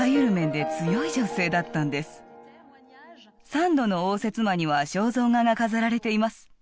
サンドの応接間には肖像画が飾られています。